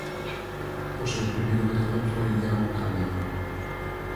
O seu primeiro gañador foi Iago Caamaño.